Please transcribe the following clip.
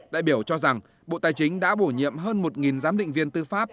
đại biểu cho rằng bộ tài chính đã bổ nhiệm hơn một giám định viên tư pháp